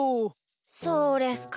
そうですか。